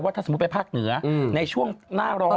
ถ้าสมมุติไปภาคเหนือในช่วงหน้าร้อน